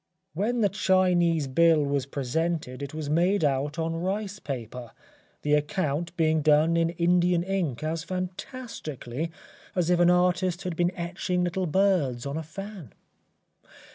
When the Chinese bill was presented it was made out on rice paper, the account being done in Indian ink as fantastically as if an artist had been etching little birds on a fan.